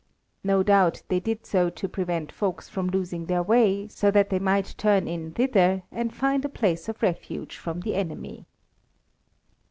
No doubt they did so to prevent folks from losing their way, so that they might turn in thither and find a place of refuge from the enemy.